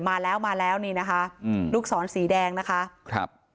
มาแล้วมาแล้วนี่นะคะอืมลูกศรสีแดงนะคะครับ